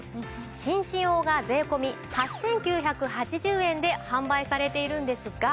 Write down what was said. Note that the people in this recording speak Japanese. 紳士用が税込８９８０円で販売されているんですが。